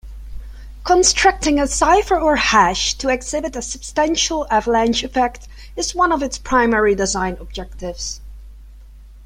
Constructing a cipher or hash to exhibit a substantial avalanche effect is one of its primary design objectives.